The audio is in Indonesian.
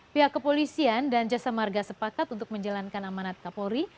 pihak kepolisian dan jasa marga sepakat untuk menjalankan amanat kapolri